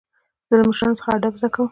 زه له مشرانو څخه ادب زده کوم.